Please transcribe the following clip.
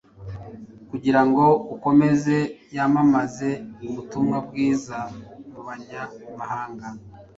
kugira ngo akomeze yamamaze ubutumwa bwiza mu banyamahanga,